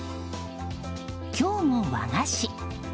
今日も和菓子。